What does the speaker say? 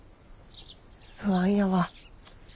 不安やわ。